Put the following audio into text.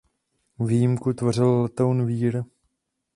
Výjimku tvořil letoun výr.